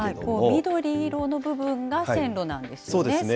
緑色の部分が線路なんですよね。